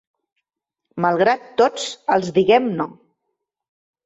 Malgrat tots els diguem no.